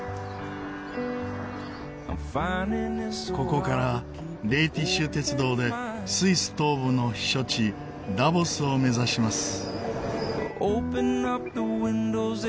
ここからレーティッシュ鉄道でスイス東部の避暑地ダボスを目指します。